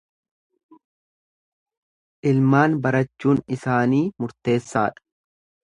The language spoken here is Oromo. Ilmaan barachuun isaanii murteessa dha.